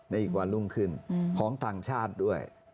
อีกวันรุ่งขึ้นของต่างชาติด้วย